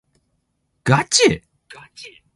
ガチ？